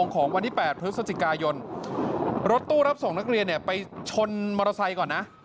ของวันที่๘พฤศจิกายนรถตู้รับส่งนักเรียนเนี่ยไปชนมอเตอร์ไซค์ก่อนนะ